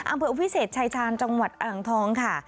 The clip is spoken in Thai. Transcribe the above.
อำเภอวิเศษชายชาญจังหวัดอ่างทองค่ะ